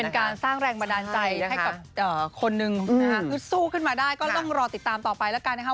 การสร้างแรงบันดาลใจให้กับคนนึงนะฮะฮึดสู้ขึ้นมาได้ก็ต้องรอติดตามต่อไปแล้วกันนะครับ